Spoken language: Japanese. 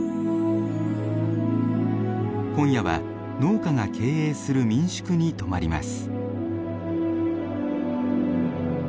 今夜は農家が経営する民宿に泊まります。